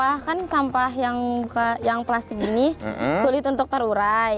bahkan sampah yang plastik ini sulit untuk terurai